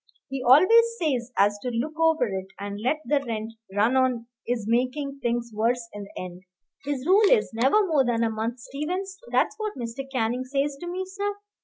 He always says as to look over it and let the rent run on is making things worse in the end. His rule is, 'Never more than a month, Stevens;' that's what Mr. Canning says to me, sir.